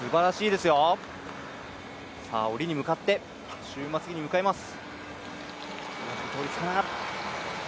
下りに向かって終末技に向かいます。